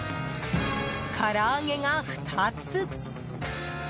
から揚げが２つ。